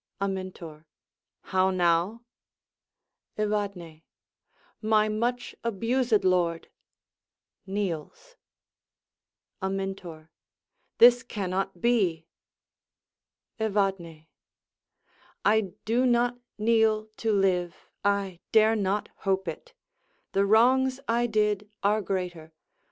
Amintor How now? Evadne My much abused lord! [Kneels.] Amintor This cannot be! Evadne I do not kneel to live; I dare not hope it; The wrongs I did are greater.